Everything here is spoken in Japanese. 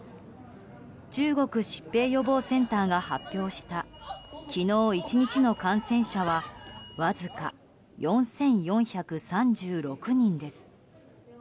中国疾病予防センターが発表した昨日１日の感染者はわずか４４３６人です。